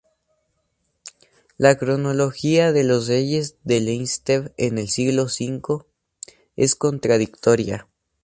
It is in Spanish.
La cronología de los reyes de Leinster en el siglo V es contradictoria.